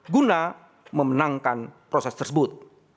guna memenangkan proses tersebut